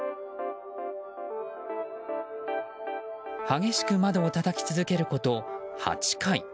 激しく窓をたたき続けること８回。